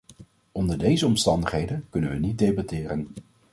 Onder deze omstandigheden kunnen we niet debatteren.